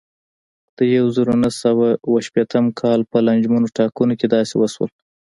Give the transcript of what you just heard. د یوه زرو نهه سوه اوه شپېتم کال په لانجمنو ټاکنو کې داسې وشول.